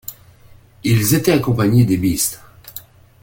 Ils étaient accompagnés des Beast.